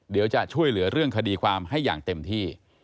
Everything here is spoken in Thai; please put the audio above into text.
เดี๋ยวจะช่วยเหลือเรื่องคดีความให้อย่างเต็มที่